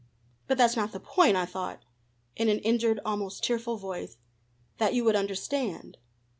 "But that's not the point! I thought," in an injured, almost tearful voice "that you would understand."